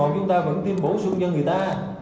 chúng ta vẫn tiêm bổ sung cho người ta